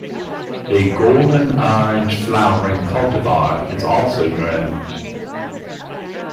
A golden orange flowering cultivar is also grown.